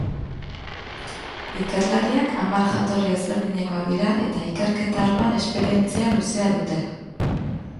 Ikerlariak hamar jatorri ezberdinekoak dira eta ikerketa arloan esperientzia luzea dute.